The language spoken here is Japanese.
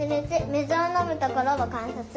みずをのむところをかんさつ。